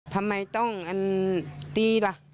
ทำไมต้องอันตีล่ะ